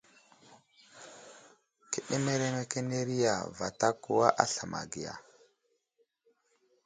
Kəɗeremekeneri ya, vatak kəwa aslam ma ge ya ?